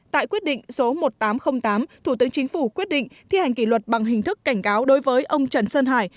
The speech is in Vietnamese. tại quyết định số một nghìn tám trăm linh tám thủ tướng chính phủ quyết định thi hành kỷ luật bằng hình thức cảnh cáo đối với ông trần sơn hải